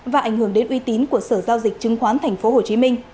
và ảnh hưởng đến uy tín của sở giao dịch chứng khoán tp hcm